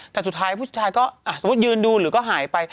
แต่สุดท้ายผู้ชายก็สมมุติยืนดูหรือก็หายไป